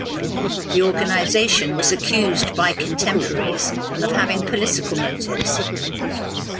The organization was accused by contemporaries of having political motives.